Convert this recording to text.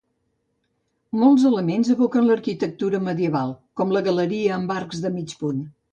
Molts elements evoquen l'arquitectura medieval, com la galeria amb arcs de mig punt.